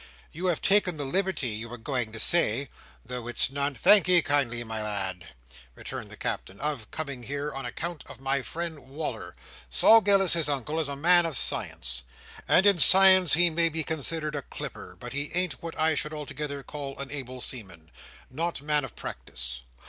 "You have taken the liberty, you were going to say—though it's none—" "Thank'ee kindly, my lad," returned the Captain: "of coming here, on account of my friend Wal"r. Sol Gills, his Uncle, is a man of science, and in science he may be considered a clipper; but he ain't what I should altogether call a able seaman—not man of practice.